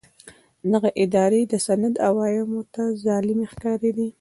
دغه ادارې د سند عوامو ته ظالمې ښکارېدې.